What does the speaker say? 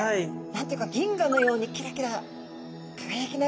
何て言うか銀河のようにキラキラ輝きながら泳いでますね。